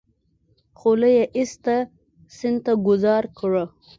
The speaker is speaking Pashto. خولۍ يې ايسته سيند ته گوزار کړه.